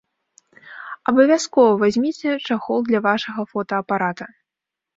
Абавязкова вазьміце чахол для вашага фотаапарата.